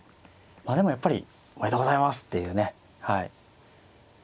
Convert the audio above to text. まあでもやっぱりおめでとうございますっていうね。